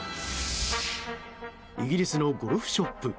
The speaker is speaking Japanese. イギリスのゴルフショップ。